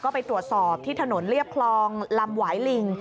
ก็ไปตรวจสอบที่ถนนเรียบคลองลำหวายลิง